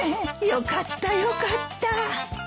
よかったよかった。